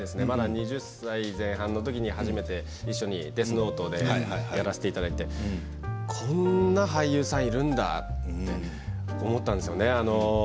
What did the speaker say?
まだ２０歳前半のときに初めて一緒に「デスノート」でやらせていただいてこんな俳優さんいるんだって思ったんですよね。